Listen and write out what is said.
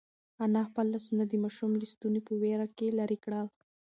انا خپل لاسونه د ماشوم له ستوني په وېره کې لرې کړل.